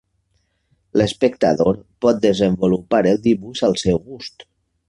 L'espectador pot desenvolupar el dibuix al seu gust.